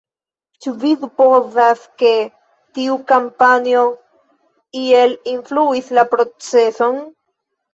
Ĉu vi supozas, ke tiu kampanjo iel influis la proceson?